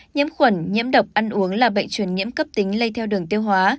nhiễm khuẩn nhiễm độc ăn uống là bệnh truyền nhiễm cấp tính lây theo đường tiêu hóa